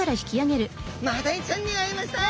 マダイちゃんに会えました！